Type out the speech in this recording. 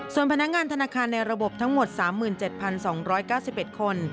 ส่วนพนักงานธนาคารในระบบทั้งหมด๓๗๒๙๑คน